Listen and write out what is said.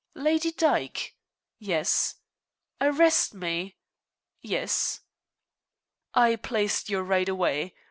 "Lady Dyke?" "Yes." "Arrest me?" "Yes." "I placed you right away.